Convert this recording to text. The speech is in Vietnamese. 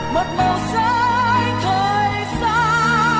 một màu rơi thời gian